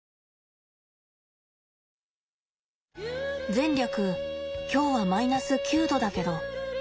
前略今日はマイナス９度だけど。